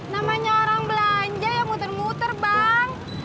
namanya orang belanja ya muter muter bang